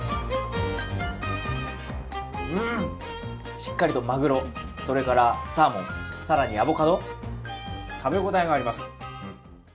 しっかりとマグロ、それからサーモン更にアボカド、食べ応えがあります。